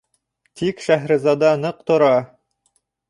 Тик Шәһрезада ныҡ тора: